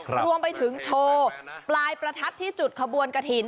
รวมไปถึงโชว์ปลายประทัดที่จุดขบวนกระถิ่น